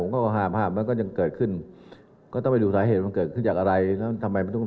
และก็โดนการจัดการมัน